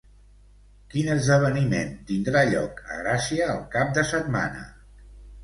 Quin esdeveniment tindrà lloc a Gràcia el cap de setmana?